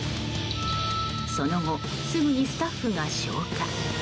その後、すぐにスタッフが消火。